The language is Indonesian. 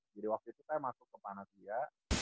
jadi waktu itu saya masuk ke panasia